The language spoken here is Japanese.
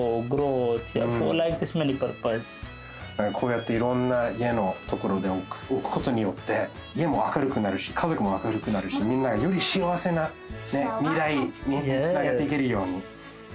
こうやっていろんな家のところでおくことによって家も明るくなるし家ぞくも明るくなるしみんなよりしあわせな未来につなげていけるように。